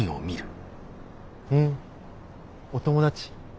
ふんお友達？